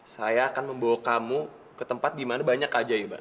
saya akan membawa kamu ke tempat dimana banyak aja ya bang